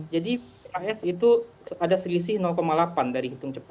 jadi pks itu ada selisih delapan dari hitung cepat